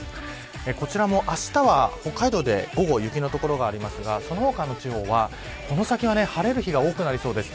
こちらもあしたは北海道で午後雪の所がありますがその他の地方は、この先晴れる日が多くなりそうです。